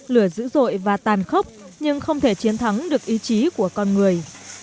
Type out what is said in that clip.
lửa dữ dội và tàn khốc nhưng không thể chiến thắng được ý chí của con người